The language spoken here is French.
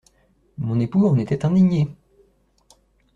Mon époux en était indigné!